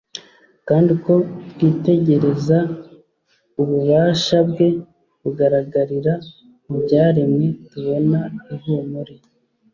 kandi uko twitegereza ububasha bwe bugaragarira mu byaremye tubona ihumure